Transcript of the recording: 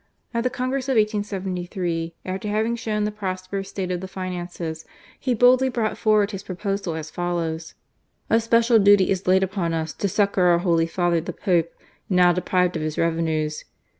At the Congress of 1873, after having shown the prosperous state of the finances, he boldly brought forward his proposal as follows : "A special duty is laid upon us to succour our Holy Father the Pope, now deprived of his revenues.